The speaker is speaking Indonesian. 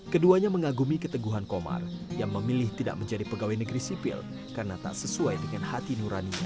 keduanya mengagumi keteguhan komar yang memilih tidak menjadi pegawai negeri sipil karena tak sesuai dengan hati nuraninya